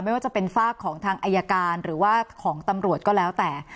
ไม่ว่าจะเป็นฝากของทางอายการหรือว่าของตำรวจก็แล้วแต่